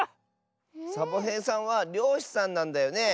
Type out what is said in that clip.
サボへいさんはりょうしさんなんだよね。